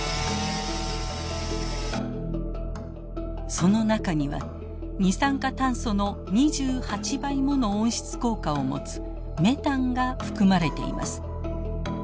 その中には二酸化炭素の２８倍もの温室効果を持つメタンが含まれています。